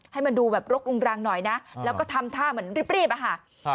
ให้มันดูแบบรกรุงรังหน่อยนะแล้วก็ทำท่าเหมือนรีบอะค่ะ